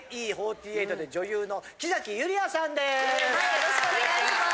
よろしくお願いします。